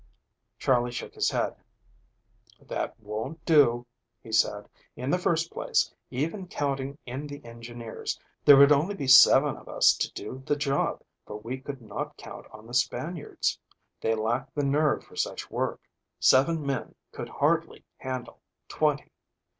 Charley shook his head. "That won't do," he said. "In the first place, even counting in the engineers, there would only be seven of us to do the job, for we could not count on the Spaniards. They lack the nerve for such work. Seven men could hardly handle twenty.